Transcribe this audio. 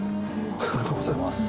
ありがとうございます。